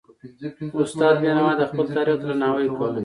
استاد بينوا د خپل تاریخ درناوی کاوه.